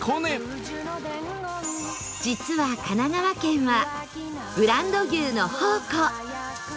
実は神奈川県はブランド牛の宝庫